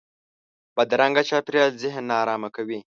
بدرنګه چاپېریال ذهن نارامه کوي